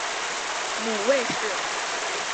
母魏氏。